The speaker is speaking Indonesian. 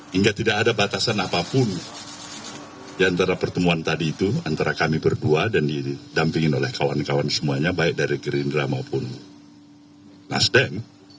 hingga tidak ada batasan apapun di antara pertemuan tadi itu antara kami berdua dan didampingin oleh kawan kawan semuanya baik dari gerindra maupun nasdem